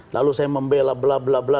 lalu saya membela bla bla bla